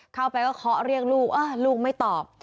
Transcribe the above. เข้าไปก็ขอเรียกลูกเอ้อลูกไม่ตอบ